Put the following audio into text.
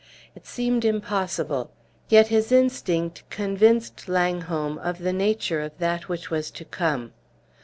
It seemed impossible; yet his instinct convinced Langholm of the nature of that which was to come.